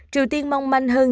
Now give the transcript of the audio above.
triều tiên mong manh hơn